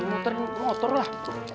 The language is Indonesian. muterin motor lah